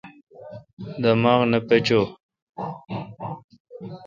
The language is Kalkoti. دماغ نہ پچو۔